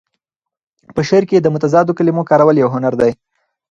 په شعر کې د متضادو کلمو کارول یو هنر دی.